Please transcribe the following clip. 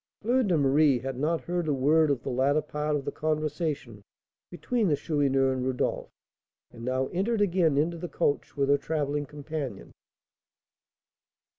Fleur de Marie had not heard a word of the latter part of the conversation between the Chourineur and Rodolph, and now entered again into the coach with her travelling companion.